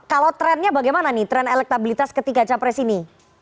kalau trendnya bagaimana nih tren elektabilitas ketiga capres ini